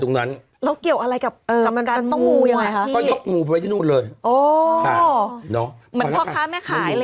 อ๋อเออมันเพาะค้าไม่ขายหรืออย่างนี้เนาะ